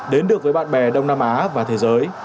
đến được với bạn bè đông nam á và thế giới